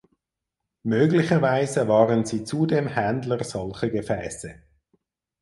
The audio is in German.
Möglicherweise waren sie zudem Händler solcher Gefäße.